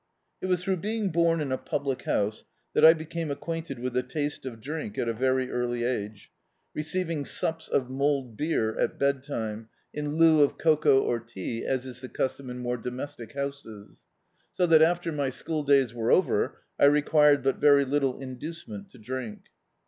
It was dirou^' being bom in a public house that I became acquainted with the taste of drink at a very early age, receiving sups of mulled beer at M D,i.,.db, Google Childhood bed time, in lieu of cocoa or tea, as is the custom in more domestic houses. So that, after my school days were over, I required but very little induce ment to drink.